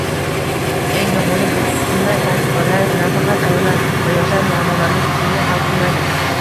Eng yomoni, bunday tajribalar nafaqat ayollar va yoshlar muammolarini tizimli hal qilmaydi.